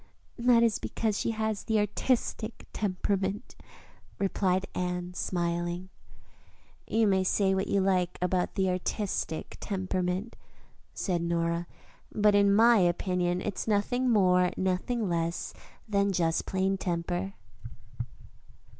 '" "That is because she has the artistic temperament," replied Anne, smiling. "You may say what you like about the artistic temperament," said Nora, "but in my opinion it's nothing more nor less than just plain temper."